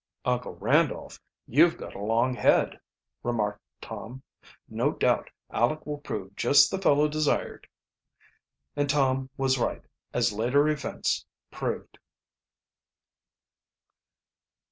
"Uncle Randolph, you've got a long head," remarked Tom. "No doubt Aleck will prove just the fellow desired." And Tom was right, as later events proved.